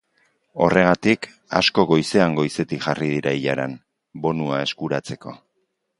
Horregatik asko goizean goizetik jarri dira ilaran, bonua eskuratzeko.